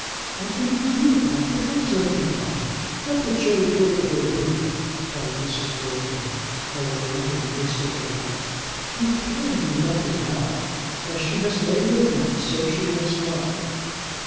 "What can you do, Godfrey? What is there to be done? Let the jade go to her ruin!" cried Mrs. Wardour, alarmed in the midst of her wrath. "You can do nothing now. As she has made her bed, so she must lie."